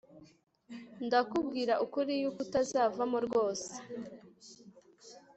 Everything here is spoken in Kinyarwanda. Ndakubwira ukuri yuko utazavamo rwose